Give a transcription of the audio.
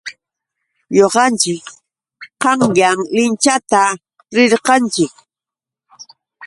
Ñuqanchik qanyan linchata rirqanchik.